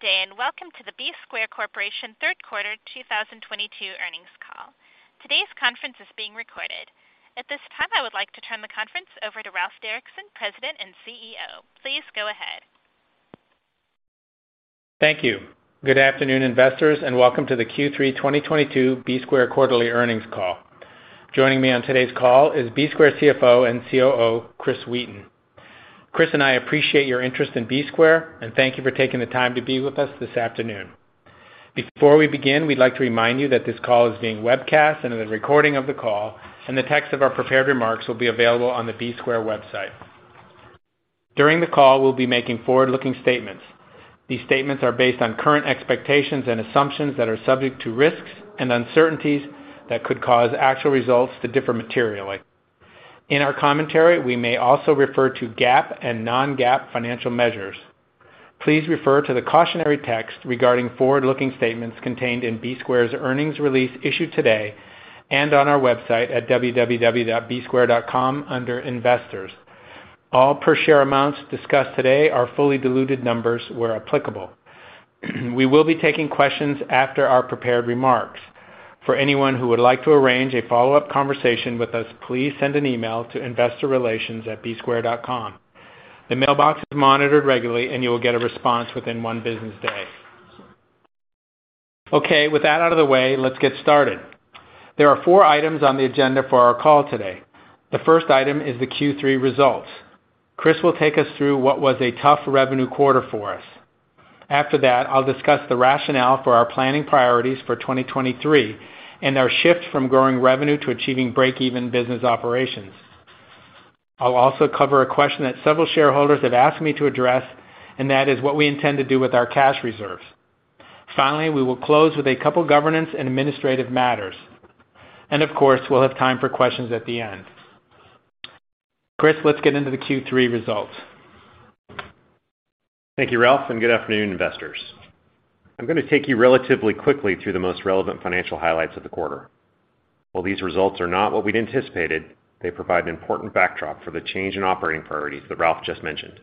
Good day, and welcome to the Bsquare Corporation third quarter 2022 earnings call. Today's conference is being recorded. At this time, I would like to turn the conference over to Ralph Derrickson, President and CEO. Please go ahead. Thank you. Good afternoon, investors, and welcome to the Q3 2022 Bsquare quarterly earnings call. Joining me on today's call is Bsquare CFO and COO, Chris Wheaton. Chris and I appreciate your interest in Bsquare, and thank you for taking the time to be with us this afternoon. Before we begin, we'd like to remind you that this call is being webcast, and a recording of the call and the text of our prepared remarks will be available on the Bsquare website. During the call, we'll be making forward-looking statements. These statements are based on current expectations and assumptions that are subject to risks and uncertainties that could cause actual results to differ materially. In our commentary, we may also refer to GAAP and non-GAAP financial measures. Please refer to the cautionary text regarding forward-looking statements contained in Bsquare's earnings release issued today and on our website at www.bsquare.com under Investors. All per share amounts discussed today are fully diluted numbers where applicable. We will be taking questions after our prepared remarks. For anyone who would like to arrange a follow-up conversation with us, please send an email to investorrelations@bsquare.com. The mailbox is monitored regularly, and you will get a response within one business day. Okay. With that out of the way, let's get started. There are four items on the agenda for our call today. The first item is the Q3 results. Chris will take us through what was a tough revenue quarter for us? After that, I'll discuss the rationale for our planning priorities for 2023 and our shift from growing revenue to achieving break-even business operations. I'll also cover a question that several shareholders have asked me to address, and that is what we intend to do with our cash reserves. Finally, we will close with a couple governance and administrative matters, and of course, we'll have time for questions at the end. Chris, let's get into the Q3 results. Thank you, Ralph, and good afternoon, investors. I'm gonna take you relatively quickly through the most relevant financial highlights of the quarter. While these results are not what we'd anticipated, they provide an important backdrop for the change in operating priorities that Ralph just mentioned.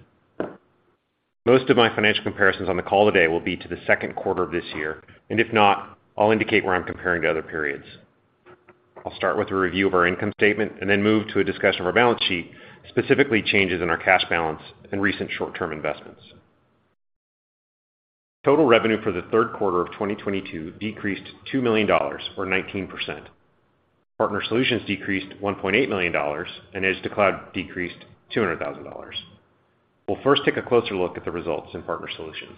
Most of my financial comparisons on the call today will be to the second quarter of this year, and if not, I'll indicate where I'm comparing to other periods. I'll start with a review of our income statement and then move to a discussion of our balance sheet, specifically changes in our cash balance and recent short-term investments. Total revenue for the third quarter of 2022 decreased $2 million or 19%. Partner Solutions decreased $1.8 million, and Edge-to-Cloud decreased $200,000. We'll first take a closer look at the results in Partner Solutions.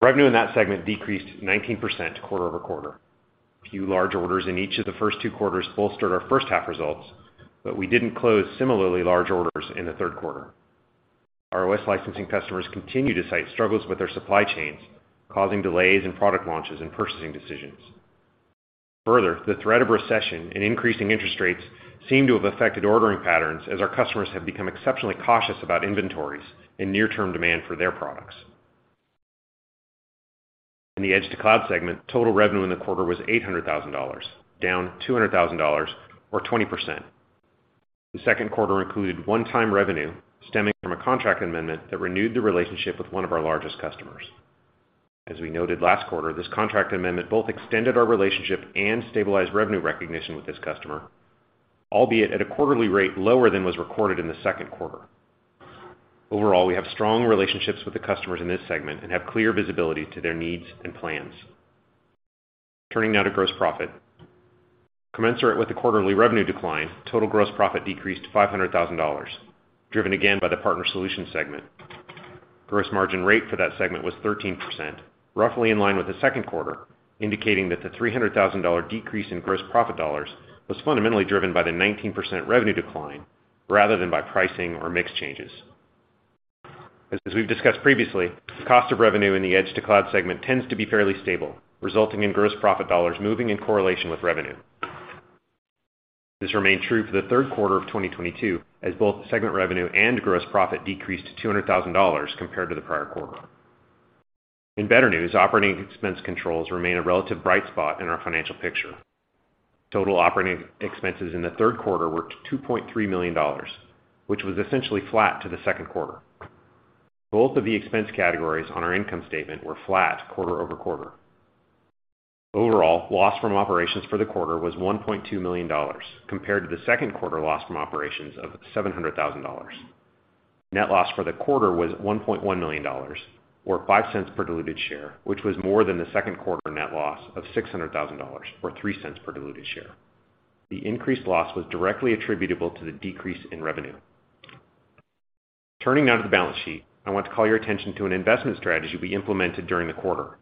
Revenue in that segment decreased 19% quarter-over-quarter. Few large orders in each of the first two quarters bolstered our first half results, but we didn't close similarly large orders in the third quarter. Our OS licensing customers continue to cite struggles with their supply chains, causing delays in product launches and purchasing decisions. Further, the threat of recession and increasing interest rates seem to have affected ordering patterns as our customers have become exceptionally cautious about inventories and near-term demand for their products. In the Edge-to-Cloud segment, total revenue in the quarter was $800,000, down $200,000 or 20%. The second quarter included one-time revenue stemming from a contract amendment that renewed the relationship with one of our largest customers. As we noted last quarter, this contract amendment both extended our relationship and stabilized revenue recognition with this customer, albeit at a quarterly rate lower than was recorded in the second quarter. Overall, we have strong relationships with the customers in this segment and have clear visibility to their needs and plans. Turning now to gross profit. Commensurate with the quarterly revenue decline, total gross profit decreased to $500,000, driven again by the Partner Solutions segment. Gross margin rate for that segment was 13%, roughly in line with the second quarter, indicating that the $300,000 decrease in gross profit dollars was fundamentally driven by the 19% revenue decline rather than by pricing or mix changes. As we've discussed previously, cost of revenue in the Edge-to-Cloud segment tends to be fairly stable, resulting in gross profit dollars moving in correlation with revenue. This remained true for the third quarter of 2022, as both segment revenue and gross profit decreased to $200,000 compared to the prior quarter. In better news, operating expense controls remain a relative bright spot in our financial picture. Total operating expenses in the third quarter were $2.3 million, which was essentially flat to the second quarter. Both of the expense categories on our income statement were flat quarter-over-quarter. Overall, loss from operations for the quarter was $1.2 million compared to the second quarter loss from operations of $700,000. Net loss for the quarter was $1.1 million or $0.05 per diluted share, which was more than the second quarter net loss of $600,000 or $0.03 per diluted share. The increased loss was directly attributable to the decrease in revenue. Turning now to the balance sheet. I want to call your attention to an investment strategy we implemented during the quarter.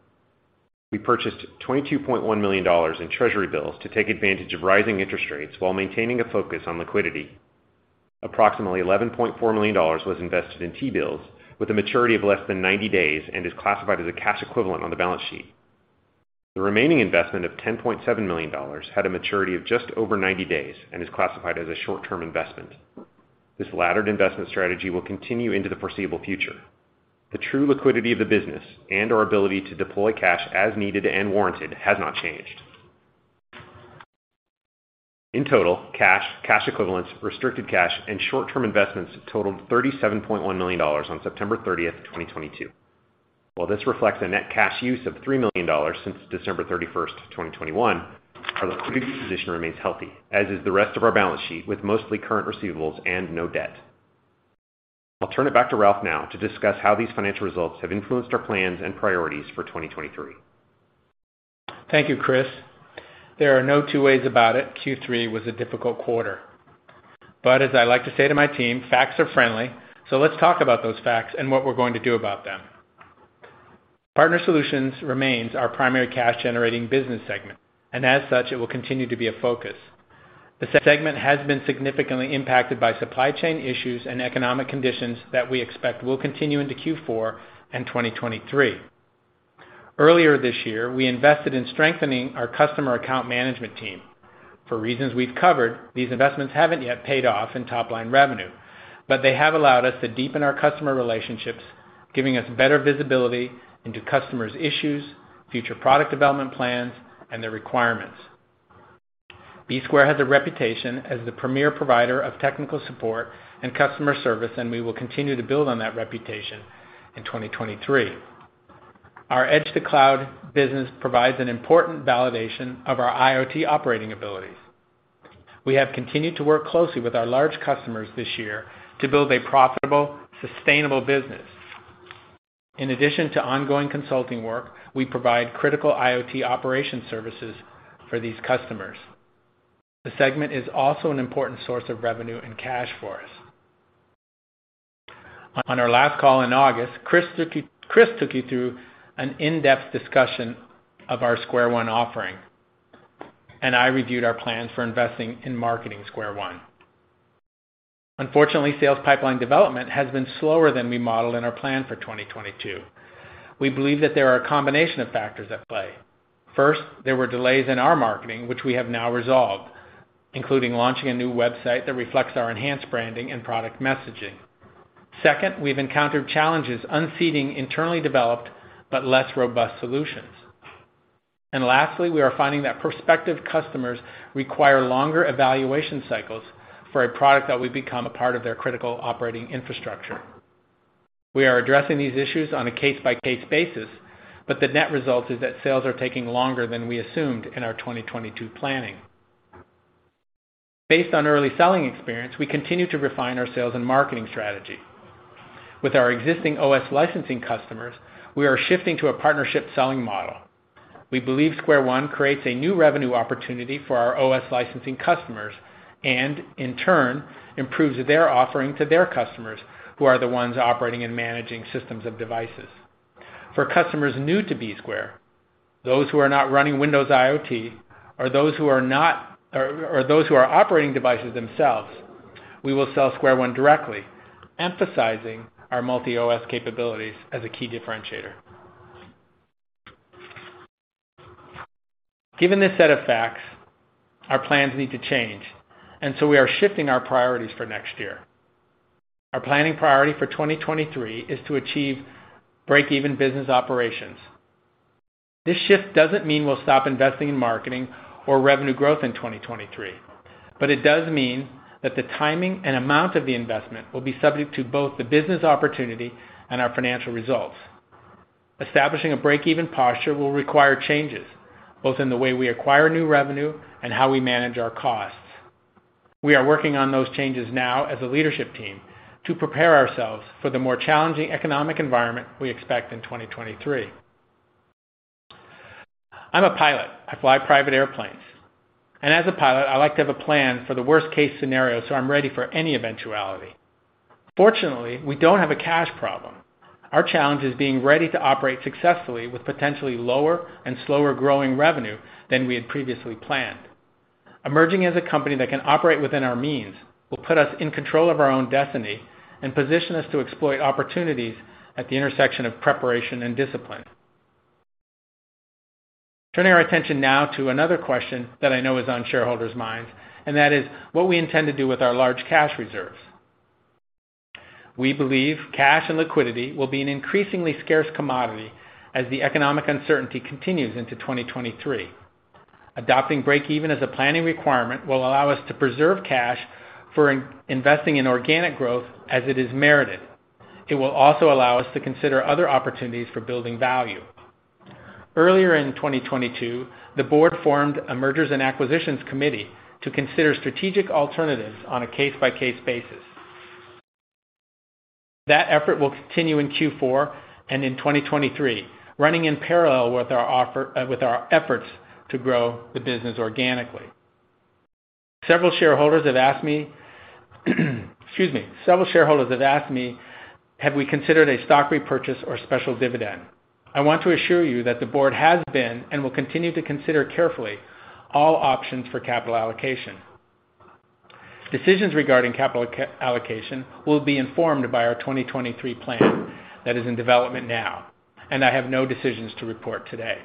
We purchased $22.1 million in treasury bills to take advantage of rising interest rates while maintaining a focus on liquidity. Approximately $11.4 million was invested in T-bills with a maturity of less than 90 days and is classified as a cash equivalent on the balance sheet. The remaining investment of $10.7 million had a maturity of just over 90 days and is classified as a short-term investment. This laddered investment strategy will continue into the foreseeable future. The true liquidity of the business and our ability to deploy cash as needed and warranted has not changed. In total, cash equivalents, restricted cash, and short-term investments totaled $37.1 million on September 30th, 2022. While this reflects a net cash use of $3 million since December 31st, 2021, our liquidity position remains healthy, as is the rest of our balance sheet, with mostly current receivables and no debt. I'll turn it back to Ralph now to discuss how these financial results have influenced our plans and priorities for 2023. Thank you, Chris. There are no two ways about it, Q3 was a difficult quarter. As I like to say to my team, facts are friendly, so let's talk about those facts and what we're going to do about them. Partner Solutions remains our primary cash-generating business segment, and as such, it will continue to be a focus. The segment has been significantly impacted by supply chain issues and economic conditions that we expect will continue into Q4 and 2023. Earlier this year, we invested in strengthening our customer account management team. For reasons we've covered, these investments haven't yet paid off in top-line revenue, but they have allowed us to deepen our customer relationships, giving us better visibility into customers' issues, future product development plans, and their requirements. Bsquare has a reputation as the premier provider of technical support and customer service, and we will continue to build on that reputation in 2023. Our Edge-to-Cloud business provides an important validation of our IoT operating abilities. We have continued to work closely with our large customers this year to build a profitable, sustainable business. In addition to ongoing consulting work, we provide critical IoT operation services for these customers. The segment is also an important source of revenue and cash for us. On our last call in August, Chris took you through an in-depth discussion of our SquareOne offering, and I reviewed our plans for investing in marketing SquareOne. Unfortunately, sales pipeline development has been slower than we modeled in our plan for 2022. We believe that there are a combination of factors at play. First, there were delays in our marketing, which we have now resolved, including launching a new website that reflects our enhanced branding and product messaging. Second, we've encountered challenges unseating internally developed but less robust solutions. Lastly, we are finding that prospective customers require longer evaluation cycles for a product that would become a part of their critical operating infrastructure. We are addressing these issues on a case-by-case basis, but the net result is that sales are taking longer than we assumed in our 2022 planning. Based on early selling experience, we continue to refine our sales and marketing strategy. With our existing OS licensing customers, we are shifting to a partnership selling model. We believe SquareOne creates a new revenue opportunity for our OS licensing customers and, in turn, improves their offering to their customers, who are the ones operating and managing systems of devices. For customers new to Bsquare, those who are not running Windows IoT, or those who are operating devices themselves, we will sell SquareOne directly, emphasizing our multi-OS capabilities as a key differentiator. Given this set of facts, our plans need to change, and so we are shifting our priorities for next year. Our planning priority for 2023 is to achieve break-even business operations. This shift doesn't mean we'll stop investing in marketing or revenue growth in 2023, but it does mean that the timing and amount of the investment will be subject to both the business opportunity and our financial results. Establishing a break-even posture will require changes, both in the way we acquire new revenue and how we manage our costs. We are working on those changes now as a leadership team to prepare ourselves for the more challenging economic environment we expect in 2023. I'm a pilot. I fly private airplanes. As a pilot, I like to have a plan for the worst-case scenario, so I'm ready for any eventuality. Fortunately, we don't have a cash problem. Our challenge is being ready to operate successfully with potentially lower and slower-growing revenue than we had previously planned. Emerging as a company that can operate within our means will put us in control of our own destiny and position us to exploit opportunities at the intersection of preparation and discipline. Turning our attention now to another question that I know is on shareholders' minds, and that is what we intend to do with our large cash reserves. We believe cash and liquidity will be an increasingly scarce commodity as the economic uncertainty continues into 2023. Adopting break-even as a planning requirement will allow us to preserve cash for investing in organic growth as it is merited. It will also allow us to consider other opportunities for building value. Earlier in 2022, the board formed a mergers and acquisitions committee to consider strategic alternatives on a case-by-case basis. That effort will continue in Q4 and in 2023, running in parallel with our efforts to grow the business organically. Several shareholders have asked me, "have we considered a stock repurchase or special dividend?" I want to assure you that the board has been and will continue to consider carefully all options for capital allocation. Decisions regarding capital allocation will be informed by our 2023 plan that is in development now, and I have no decisions to report today.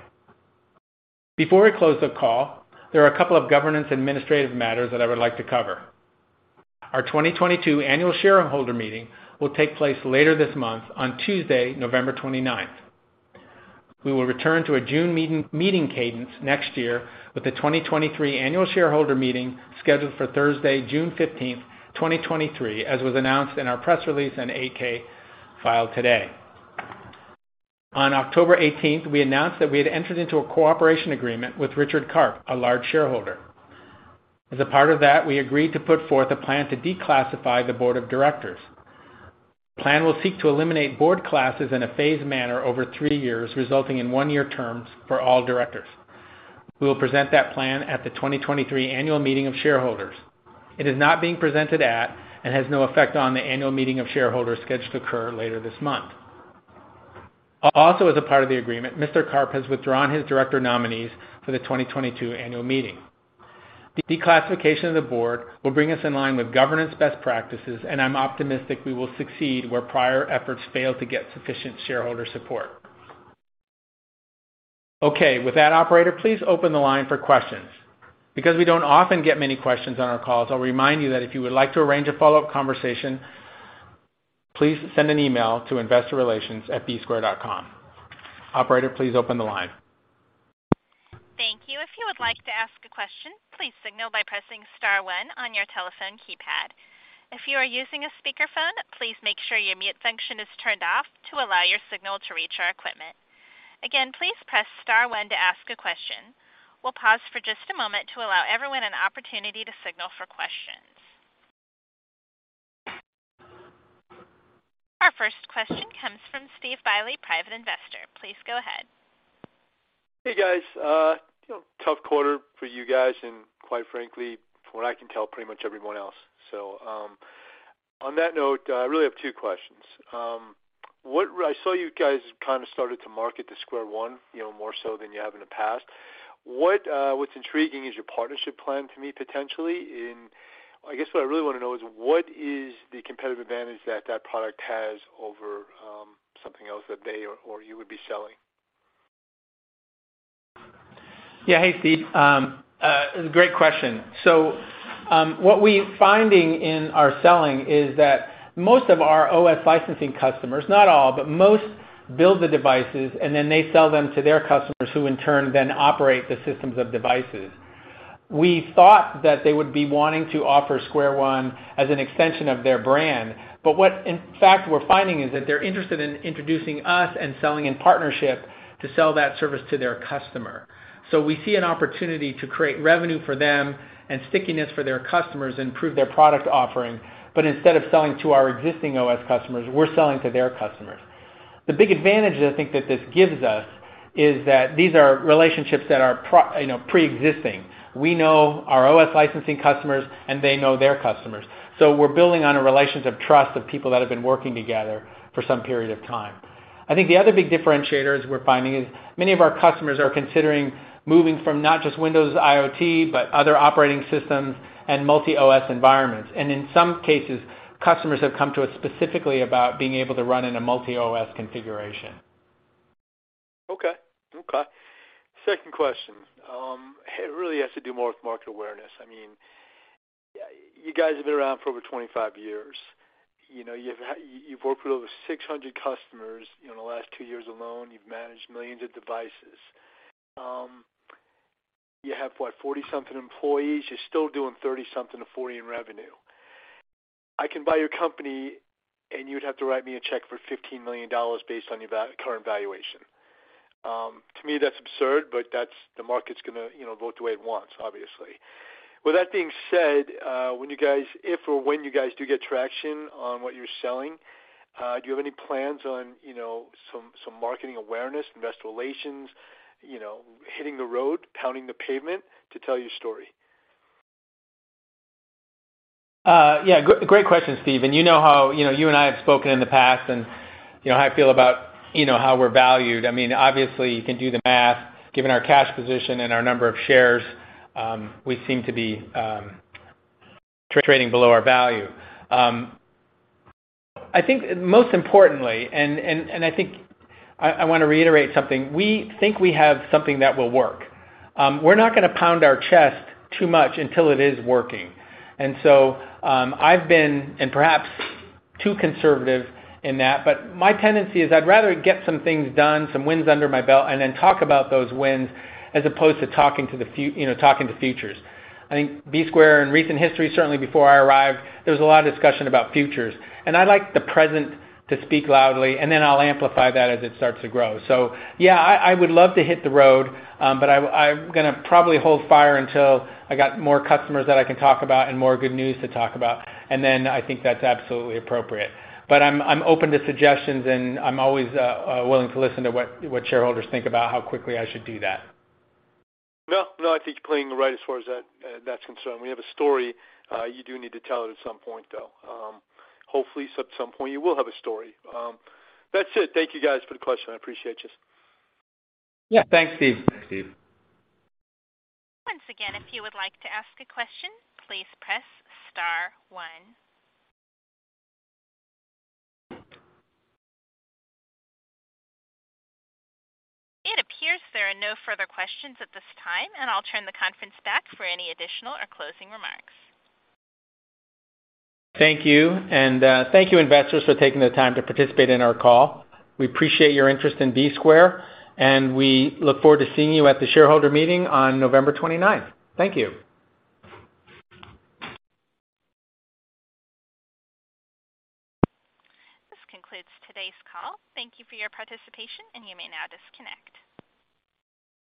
Before we close the call, there are a couple of governance and administrative matters that I would like to cover. Our 2022 annual shareholder meeting will take place later this month on Tuesday, November 29th. We will return to a June meeting cadence next year with the 2023 annual shareholder meeting scheduled for Thursday, June 15th, 2023, as was announced in our press release and 8-K filed today. On October 18, we announced that we had entered into a cooperation agreement with Richard Karp, a large shareholder. As a part of that, we agreed to put forth a plan to declassify the board of directors. The plan will seek to eliminate board classes in a phased manner over three years, resulting in one-year terms for all directors. We will present that plan at the 2023 annual meeting of shareholders. It is not being presented at and has no effect on the annual meeting of shareholders scheduled to occur later this month. Also, as a part of the agreement, Mr. Karp has withdrawn his director nominees for the 2022 annual meeting. Declassification of the board will bring us in line with governance best practices, and I'm optimistic we will succeed where prior efforts failed to get sufficient shareholder support. Okay. With that, operator, please open the line for questions. Because we don't often get many questions on our calls, I'll remind you that if you would like to arrange a follow-up conversation, please send an email to investorrelations@bsquare.com. Operator, please open the line. Thank you. If you would like to ask a question, please signal by pressing star one on your telephone keypad. If you are using a speakerphone, please make sure your mute function is turned off to allow your signal to reach our equipment. Again, please press star one to ask a question. We'll pause for just a moment to allow everyone an opportunity to signal for questions. Our first question comes from Steve Bailey, Private Investor. Please go ahead. Hey, guys. You know, tough quarter for you guys and quite frankly, from what I can tell, pretty much everyone else. On that note, I really have two questions. I saw you guys kind of started to market the SquareOne, you know, more so than you have in the past. What's intriguing is your partnership plan to me, potentially in. I guess what I really wanna know is what is the competitive advantage that that product has over something else that they or you would be selling? Yeah. Hey, Steve. Great question. What we're finding in our selling is that most of our OS licensing customers, not all, but most build the devices, and then they sell them to their customers, who in turn then operate the systems of devices. We thought that they would be wanting to offer SquareOne as an extension of their brand. What in fact we're finding is that they're interested in introducing us and selling in partnership to sell that service to their customer. We see an opportunity to create revenue for them and stickiness for their customers, improve their product offering. Instead of selling to our existing OS customers, we're selling to their customers. The big advantage that I think that this gives us is that these are relationships that are, you know, pre-existing. We know our OS licensing customers, and they know their customers, so we're building on a relationship of trust of people that have been working together for some period of time. I think the other big differentiator, as we're finding, is many of our customers are considering moving from not just Windows IoT, but other operating systems and multi-OS environments. In some cases, customers have come to us specifically about being able to run in a multi-OS configuration. Okay. Second question. It really has to do more with market awareness. I mean, you guys have been around for over 25 years. You know, you've worked with over 600 customers in the last two years alone. You've managed millions of devices. You have, what, 40-something employees. You're still doing $30-something-$40 in revenue. I can buy your company, and you'd have to write me a check for $15 million based on your current valuation. To me, that's absurd, but the market's gonna, you know, vote the way it wants, obviously. With that being said, if or when you guys do get traction on what you're selling, do you have any plans on, you know, some marketing awareness, investor relations, you know, hitting the road, pounding the pavement to tell your story? Yeah. Great question, Steve. You know how, you know, you and I have spoken in the past, and you know how I feel about, you know, how we're valued. I mean, obviously, you can do the math. Given our cash position and our number of shares, we seem to be trading below our value. I think most importantly, I wanna reiterate something. We think we have something that will work. We're not gonna pound our chest too much until it is working. I've been, and perhaps too conservative in that, but my tendency is I'd rather get some things done, some wins under my belt, and then talk about those wins as opposed to you know, talking to futures. I think Bsquare in recent history, certainly before I arrived, there was a lot of discussion about futures, and I like the present to speak loudly, and then I'll amplify that as it starts to grow. Yeah, I would love to hit the road. I'm gonna probably hold fire until I got more customers that I can talk about and more good news to talk about, and then I think that's absolutely appropriate. I'm open to suggestions, and I'm always willing to listen to what shareholders think about how quickly I should do that. No, no, I think you're playing it right as far as that's concerned. We have a story. You do need to tell it at some point, though. Hopefully, at some point, you will have a story. That's it. Thank you guys for the question. I appreciate you. Yeah. Thanks, Steve. Once again, if you would like to ask a question, please press star one. It appears there are no further questions at this time, and I'll turn the conference back for any additional or closing remarks. Thank you. Thank you, investors, for taking the time to participate in our call. We appreciate your interest in Bsquare, and we look forward to seeing you at the shareholder meeting on November 29. Thank you. This concludes today's call. Thank you for your participation, and you may now disconnect.